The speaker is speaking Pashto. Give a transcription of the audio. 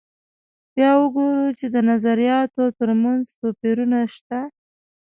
بیا وګورو چې د نظریاتو تر منځ توپیرونه شته.